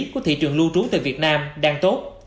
của thị trường lưu trú tại việt nam đang tốt